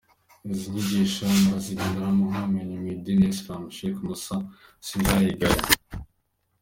Izi nyigisho murazigezwaho n’umumenyi mu idini ya Islam Sheik Mussa Sindayigaya.